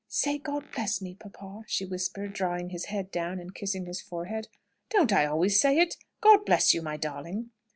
"Say 'God bless' me, papa," she whispered, drawing his head down and kissing his forehead. "Don't I always say it? God bless you, my darling!"